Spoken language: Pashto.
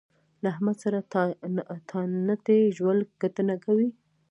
له احمد سره ټانټې ژول ګټه نه کوي.